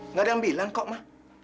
nggak ada yang bilang kok mah